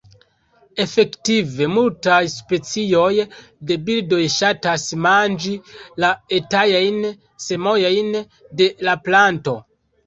Efektive, multaj specioj de birdoj ŝatas manĝi la etajn semojn de la planto.